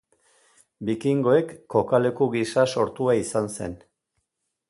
Bikingoek kokaleku gisa sortua izan zen.